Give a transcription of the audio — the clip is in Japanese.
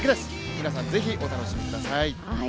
皆さん、是非お楽しみください。